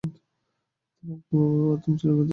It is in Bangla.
আপনার বাবার বাথরুম ছিল ভেতর থেকে তালাবন্ধ।